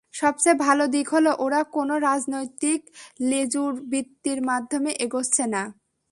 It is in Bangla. সবচেয়ে ভালো দিক হলো, ওরা কোনো রাজনৈতিক লেজুড়বৃত্তির মাধ্যমে এগোচ্ছে না।